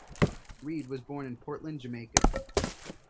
Reid was born in Portland, Jamaica.